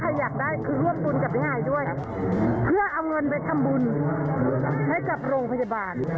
ให้กับโรงพยาบาท